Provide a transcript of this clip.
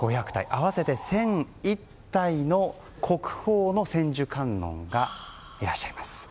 合わせて１００１体の国宝の千手観音がいらっしゃいます。